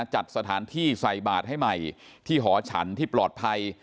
จัดสถานที่ใส่บาทให้ใหม่ที่หอฉันที่ปลอดภัย